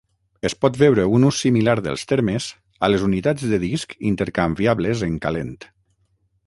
Es pot veure un ús similar dels termes a les unitats de disc intercanviables en calent.